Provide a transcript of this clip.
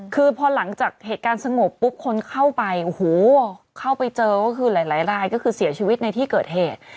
คือพอหลังจากเหตุการณ์สงบปุ๊บคนเข้าไปโอ้โหเข้าไปเจอก็คือหลายรายก็คือเสียชีวิตในที่เกิดเหตุ